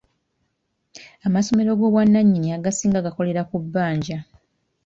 Amasomero g'obwannanyini agasinga gakolera ku bbanja.